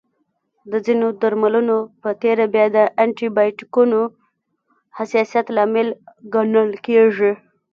د ځینو درملنو په تېره بیا د انټي بایوټیکونو حساسیت لامل ګڼل کېږي.